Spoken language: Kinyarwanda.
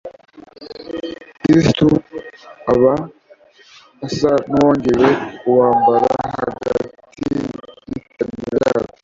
Kristo aba asa n'uwongeye kubambwa hagati y'iteraniro ryacu.